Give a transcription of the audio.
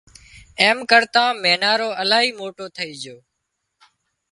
ايم ڪرتان مينارو الاهي موٽو ٿئي جھو